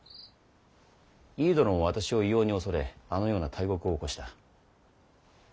井伊殿も私を異様に恐れあのような大獄を起こした。